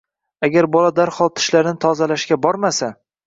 Agar bola darhol tishlarini tozalashga bormasa